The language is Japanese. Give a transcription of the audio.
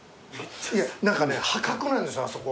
何かね破格なんですよあそこが。